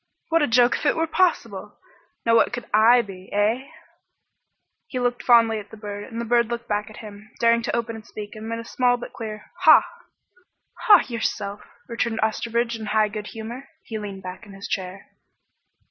"What a joke if it were possible! Now what could I be, eh?" He looked fondly at the bird and the bird looked back at him, daring to open its beak and emit a small but clear "Haw!" "Haw yourself!" returned Osterbridge in high good humor. He leaned back in his chair.